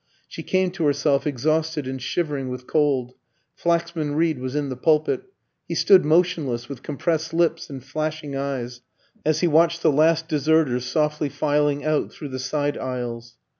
She came to herself exhausted and shivering with cold. Flaxman Reed was in the pulpit. He stood motionless, with compressed lips and flashing eyes, as he watched the last deserters softly filing out through the side aisles.